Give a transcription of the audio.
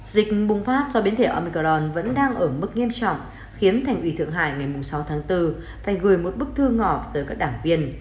dịch bùng phát do biến thể amicron vẫn đang ở mức nghiêm trọng khiến thành ủy thượng hải ngày sáu tháng bốn phải gửi một bức thư ngỏ tới các đảng viên